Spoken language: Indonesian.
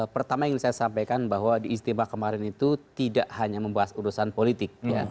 pertama yang saya sampaikan bahwa di istimewa kemarin itu tidak hanya membahas urusan politik